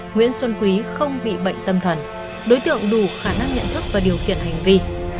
nguyễn xuân quý không bị bệnh tâm thần đối tượng đủ khả năng nhận thức và điều khiển hành vi